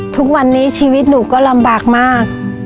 ทุกวันนี้ชีวิตหนูก็ลำบากมาก